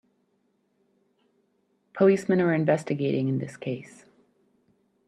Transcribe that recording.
Policemen are investigating in this case.